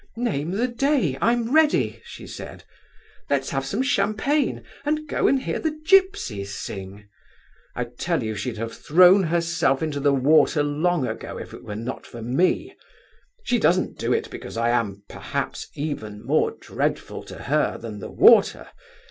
'Name the day—I'm ready!' she said. 'Let's have some champagne, and go and hear the gipsies sing!' I tell you she'd have thrown herself into the water long ago if it were not for me! She doesn't do it because I am, perhaps, even more dreadful to her than the water!